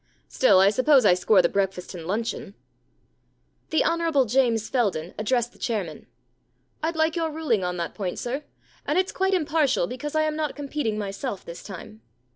Still, I suppose I score the breakfast and luncheon.* The Hon. James Feldane addressed the chairman :—* Fd like your ruling on that point, sir. And it*s quite impartial, because I am not competing myself this time.